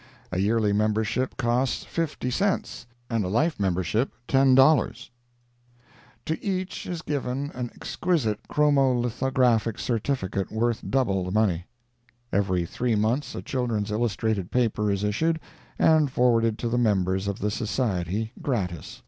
A yearly membership costs 50 cents, and a life membership $10. To each is given an exquisite chromo lithographic certificate worth double the money. Every three months a children's illustrated paper is issued and forwarded to the members of the Society gratis.